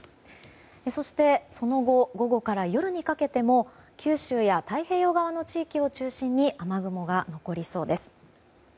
そして、その後午後から夜にかけても九州や太平洋側の地域を中心に雨雲が残りそうです。